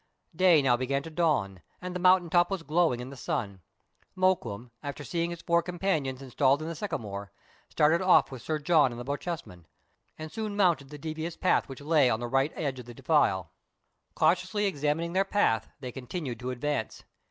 Day now began to dawn, and the mountain top was glowing in the sun. Mokoum, after seeing his four com panions installed in the sycamore, started off with Sir John and the Bochjesman, and soon mounted the devious path which lay on the right edge of the defile. Cautiously 112 MERIDIANA; THE ADVENTURES OF examining their path, they continued to advance.